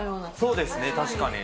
そうですね、確かに。